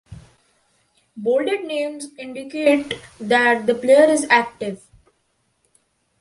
Bolded names indicate that the player is active.